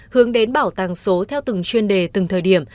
hướng đến bảo tàng số theo từng chuyên đề từng thời điểm